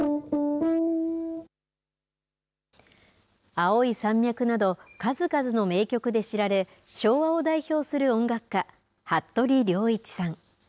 青い山脈など数々の名曲で知られ昭和を代表する音楽家服部良一さん。